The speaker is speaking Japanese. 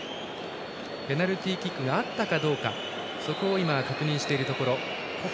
ペナルティーキックがあったかどうか確認しているところ。